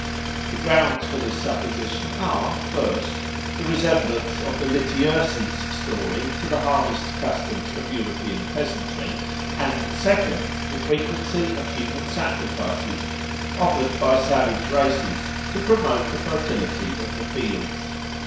The grounds for this supposition are, first, the resemblance of the Lityerses story to the harvest customs of European peasantry, and, second, the frequency of human sacrifices offered by savage races to promote the fertility of the fields.